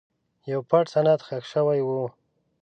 یو پټ سند ښخ شوی و.